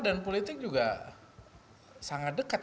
dan politik juga sangat dekat